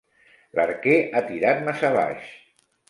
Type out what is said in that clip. L'arquer ha tirat massa baix.